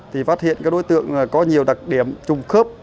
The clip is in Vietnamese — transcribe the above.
thì phát hiện các đối tượng có nhiều đặc điểm trùng khớp